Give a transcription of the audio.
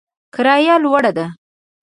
کرایه لوړه ده